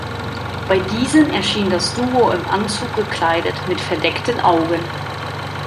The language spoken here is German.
Bei diesen erschien das Duo im Anzug gekleidet, mit verdeckten Augen.